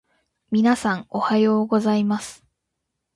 皆さん、おはようございます。